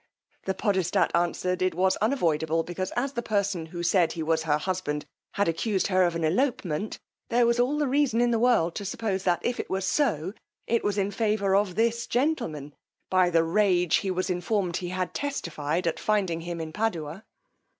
The podestat answered, it was unavoidable, because as the person, who said he was her husband, had accused her of an elopement, there was all the reason in the world to suppose that if it were so, it was in favour of this gentleman, by the rage he was informed he had testified at finding him in Padua.